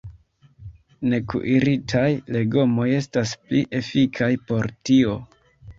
Nekuiritaj legomoj estas pli efikaj por tio.